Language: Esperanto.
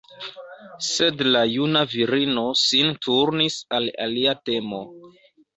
Sed la juna virino sin turnis al alia temo.